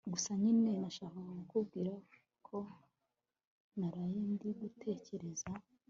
gusa nyine nashakaga kukubwira ko naraye ndi gutekereza